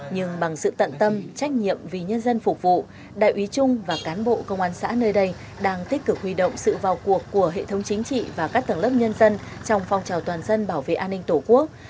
nhưng bằng sự tận tâm trách nhiệm vì nhân dân phục vụ đại ủy trung và cán bộ công an xã nơi đây đang tích cực huy động sự vào cuộc của hệ thống chính trị và các tầng lớp nhân dân trong phong trào toàn dân bảo vệ an ninh tổ quốc